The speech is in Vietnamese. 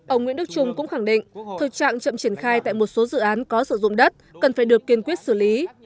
ông nguyễn đức trung cũng khẳng định thực trạng chậm triển khai tại một số dự án có sử dụng đất cần phải được kiên quyết xử lý